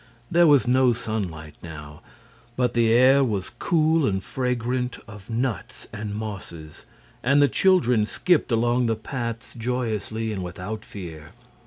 There was no sunlight now, but the air was cool and fragrant of nuts and mosses, and the children skipped along the paths joyously and without fear.